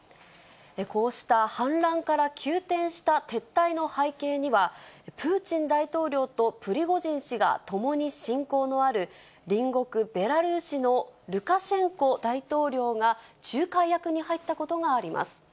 こうした反乱から急転した撤退の背景には、プーチン大統領とプリゴジン氏がともに親交のある隣国ベラルーシのルカシェンコ大統領が仲介役に入ったことがあります。